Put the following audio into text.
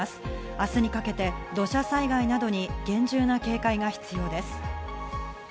明日にかけて土砂災害などに厳重な警戒が必要です。